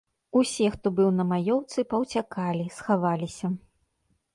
Усе, хто быў на маёўцы, паўцякалі, схаваліся.